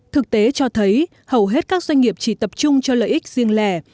thực tế cho thấy hầu hết các doanh nghiệp chỉ tập trung cho lợi ích riêng lẻ